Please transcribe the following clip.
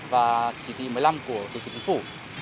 và chỉ thị một mươi năm của tổ chức chính phủ